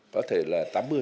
có thể là tám mươi